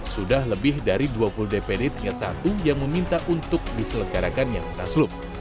sudah lebih dari dua puluh dpd tingkat satu yang meminta untuk diselenggarakannya munasluk